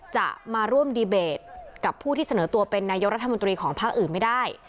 จะมาร่วมดีเบตกับผู้ที่เสนอตัวเป็นนายกรัฐมนตรีของภาคอื่นไม่ได้